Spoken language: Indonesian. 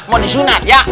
mau disunat ya